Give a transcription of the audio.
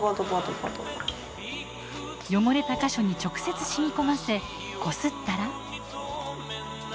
汚れた箇所に直接染み込ませこすったら。